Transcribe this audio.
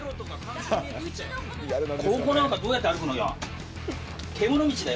ここなんてどうやって歩くのよ。